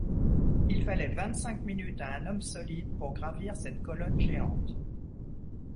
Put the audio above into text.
Il fallait vingt-cinq minutes à un homme solide pour gravir cette colonne géante.